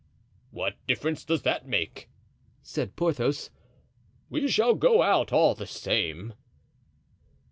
"What difference does that make?" said Porthos. "We shall go out all the same."